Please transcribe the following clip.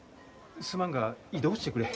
すまんが移動してくれ。